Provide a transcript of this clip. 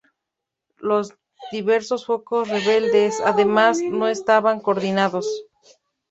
Los diversos focos rebeldes, además, no estaban coordinados.